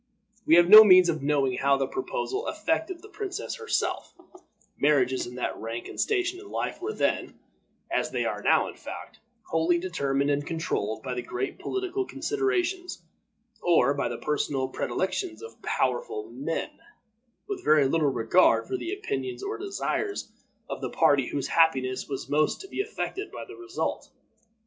We have no means of knowing how the proposal affected the princess herself; marriages in that rank and station in life were then, as they are now in fact, wholly determined and controlled by great political considerations, or by the personal predilections of powerful men, with very little regard for the opinions or desires of the party whose happiness was most to be affected by the result.